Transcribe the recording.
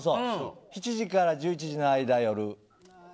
７時から１１時の間、夜。